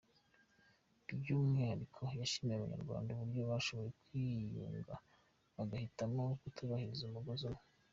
By’umwihariko yashimiye Abanyarwanda uburyo bashoboye kwiyunga, bagahitamo kutahiriza umugozi umwe.